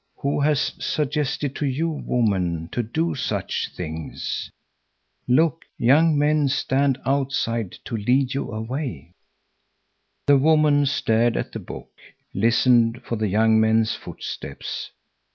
"Who has suggested to you, woman, to do such things? Look, young men stand outside to lead you away." The woman stared at the book, listened for the young men's footsteps.